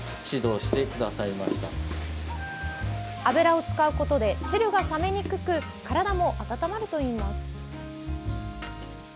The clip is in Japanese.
油を使うことで汁が冷めにくく体も温まるといいます。